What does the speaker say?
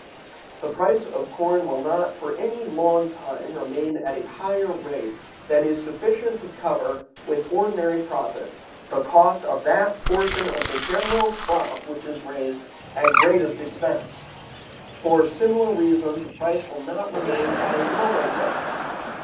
The price of corn will not, for any long time, remain at a higher rate than is sufficient to cover with ordinary profit the cost of that portion of the general crop which is raised at greatest expense."(188) For similar reasons the price will not remain at a lower rate.